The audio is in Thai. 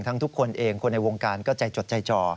ทุกคนเองคนในวงการก็ใจจดใจจ่อ